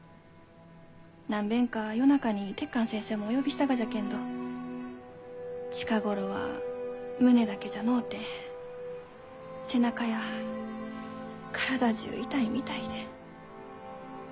何べんか夜中に鉄寛先生もお呼びしたがじゃけんど近頃は胸だけじゃのうて背中や体じゅう痛いみたいで。